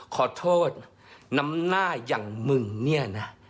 ขอโทษน้ำหน้าอย่างมึงเนี่ยนะ